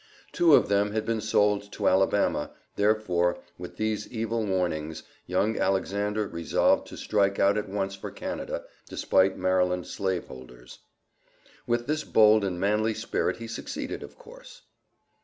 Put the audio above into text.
Two of them had been sold to Alabama, therefore, with these evil warnings, young Alexander resolved to strike out at once for Canada, despite Maryland slave holders. With this bold and manly spirit he succeeded, of course.